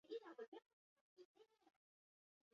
Kalkulatzeko erabilitako lehen gailua izan zen.